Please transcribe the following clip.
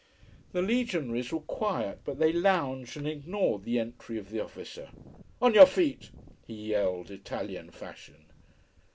The legionaries were quiet, but they lounged and ignored the entry of the officer. "On your feet!" he yelled, Italian fashion.